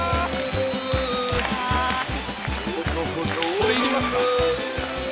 これいりますか？